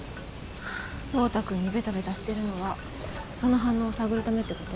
蒼汰君にベタベタしてるのはその反応を探るためってこと？